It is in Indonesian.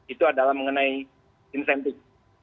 itu adalah mengenai insentif